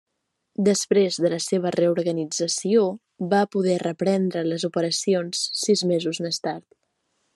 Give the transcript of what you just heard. Després de la seva reorganització, va poder reprendre les operacions sis mesos més tard.